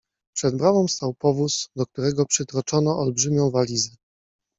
Przed bramą stał powóz, do którego przytroczono olbrzymią walizę.